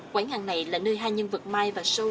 quán ăn này là nơi hai nhân vật mai và sâu